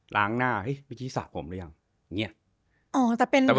ล้างหน้าไปสะผมไปต่อ